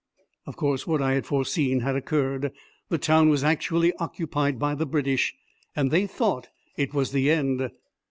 Of course, what I had foreseen had occurred. The town was actually occupied by the British. And they thought it was the end!